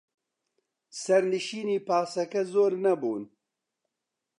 سەرنشینی پاسەکە زۆر نەبوون.